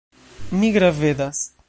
Mi gravedas.